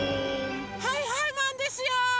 はいはいマンですよ！